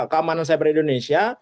keamanan cyber indonesia